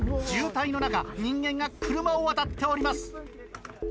渋滞の中人間が車を渡っております。